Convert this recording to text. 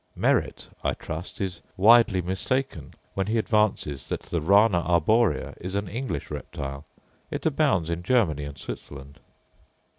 Merret, I trust, is widely mistaken when he advances that the rana arborea is an English reptile; it abounds in Germany and Switzerland.